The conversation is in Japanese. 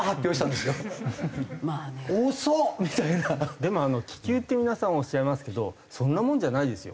でも気球って皆さんおっしゃいますけどそんなものじゃないですよ。